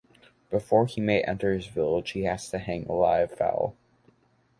Before he may enter his village he has to hang a live fowl.